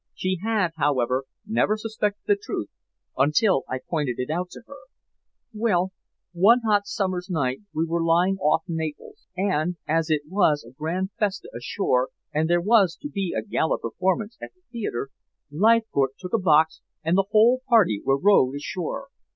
She had, however, never suspected the truth until I pointed it out to her. Well, one hot summer's night we were lying off Naples, and as it was a grand festa ashore and there was to be a gala performance at the theater, Leithcourt took a box and the whole party were rowed ashore.